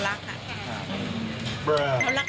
รักการฝุดคลา